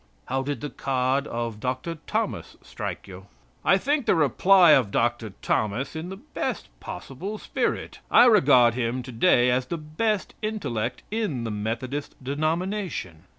"How did the card of Dr. Thomas strike you?" "I think the reply of Dr. Thomas in the best possible spirit. I regard him to day as the best intellect in the Methodist denomination.